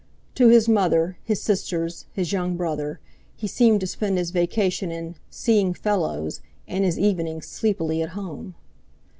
To his mother, his sisters, his young brother, he seemed to spend this Vacation in "seeing fellows," and his evenings sleepily at home.